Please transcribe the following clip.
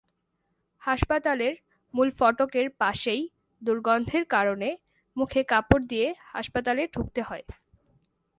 হাসপাতালের মূল ফটকের পাশেই দুর্গন্ধের কারণে মুখে কাপড় দিয়ে হাসপাতালে ঢুকতে হয়।